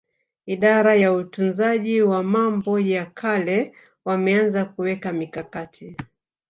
Idara ya Utunzaji wa mambo ya kale wameanza kuweka mikakati